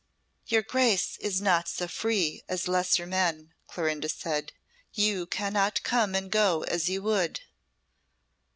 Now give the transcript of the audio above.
"Your Grace is not so free as lesser men," Clorinda said. "You cannot come and go as you would."